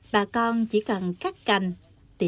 bà con chỉ cần khắc cành tỉa tán